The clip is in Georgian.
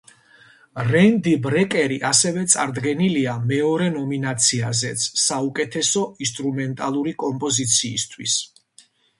რენდი ბრეკერი ასევე წარდგენილია მეორე ნომინაციაზეც, საუკეთესო ინსტრუმენტალური კომპოზიციისთვის.